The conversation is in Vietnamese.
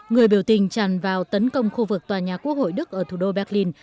người biểu tình tràn vào tấn công khu vực tòa nhà quốc hội đức ở thủ đô berlin